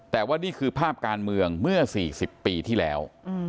แต่ว่านี่คือภาพการเมืองเมื่อ๔๐ปีที่แล้ว